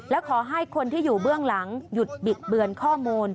และขอให้คนที่อยู่เบื้องหลังหยุดบิดเบือนข้อมูล